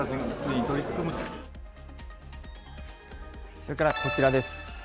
それからこちらです。